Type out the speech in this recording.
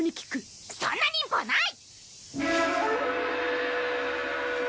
そんな忍法ない！